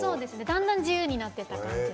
だんだん自由になっていった。